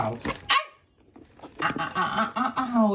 ห้าห้าห้า